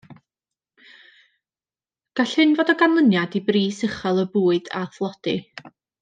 Gall hyn fod o ganlyniad i bris uchel y bwyd, a thlodi.